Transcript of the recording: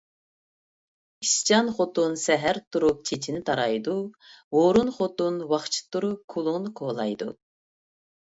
ئىشچان خوتۇن سەھەر تۇرۇپ چېچىنى تارايدۇ، ھۇرۇن خوتۇن ۋاقچە تۇرۇپ كۈلۈڭنى كولايدۇ.